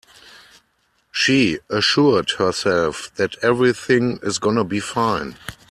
She assured herself that everything is gonna be fine.